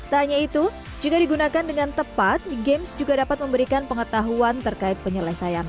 tak hanya itu jika digunakan dengan tepat games juga dapat memberikan pengetahuan terkait penyelesaian